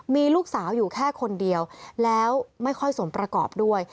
มีลูกสาวอยู่แค่คนเดียวแล้วไม่ค่อยสมประกอบด้วย